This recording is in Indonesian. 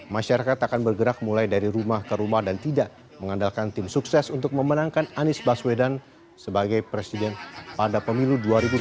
masyarakat akan bergerak mulai dari rumah ke rumah dan tidak mengandalkan tim sukses untuk memenangkan anies baswedan sebagai presiden pada pemilu dua ribu dua puluh